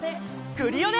クリオネ！